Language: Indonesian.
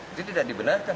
itu tidak dibenarkan